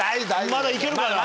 まだ行けるかな？